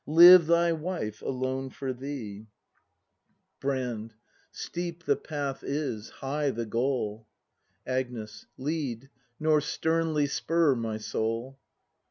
Live, thy wife, alone for thee! 164 BRAND [act iv Brand. Steep the path is, high the goal. Agnes. Lead, nor sternly spur, my soul!